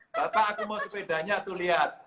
bapak aku mau sepedanya tuh lihat